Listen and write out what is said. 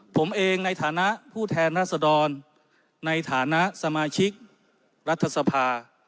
ผมเองในฐานะผู้แทนรัศดรในฐานะสมาชิกรัฐสภา